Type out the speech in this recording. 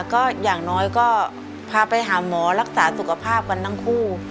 ก็อย่างน้อยก็พาไปหาหมอรักษาสุขภาพกันทั้งคู่